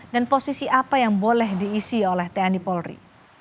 dan posisi apa yang boleh diisi oleh tni polri